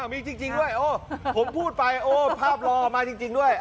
มีจริงด้วยโอ้ผมพูดไปโอ้ภาพรอมาจริงด้วย